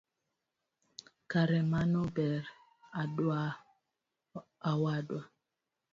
Kare mano ber awadwa.